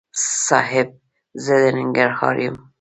صاحب! زه د ننګرهار یم.